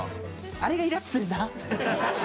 あれがイラッとするな。